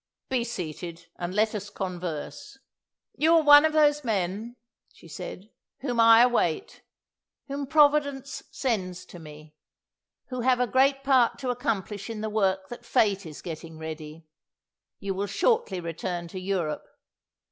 Be seated, and let us converse. "You are one of those men," she said, "whom I await; whom Providence sends to me; who have a great part to accomplish in the work that Fate is getting ready. You will shortly return to Europe.